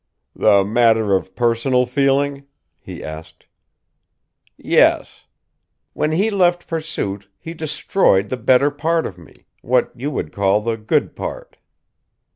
"The matter of personal feeling?" he asked. "Yes. When he left Pursuit, he destroyed the better part of me what you would call the good part."